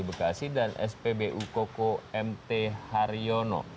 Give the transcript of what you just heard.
bekasi dan spbu koko mt haryono